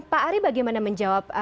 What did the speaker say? pak ari bagaimana menjawab